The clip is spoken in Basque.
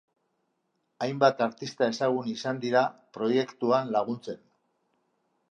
Hainbat artista ezagun izan dira proiektuan laguntzen.